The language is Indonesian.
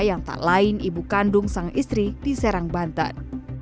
yang tak lain ibu kandung sang istri di serang banten